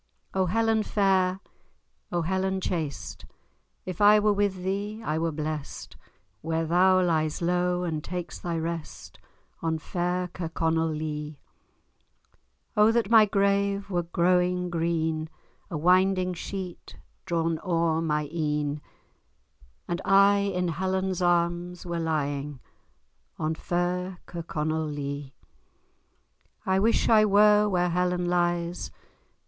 O Helen fair! O Helen chaste! If I were with thee, I were blest, Where thou lies low, and takes thy rest, On fair Kirkconnell Lee. O that my grave were growing green, A winding sheet drawn ower my een, And I in Helen's arms were lying, On fair Kirkconnell Lee! I wish I were where Helen lies!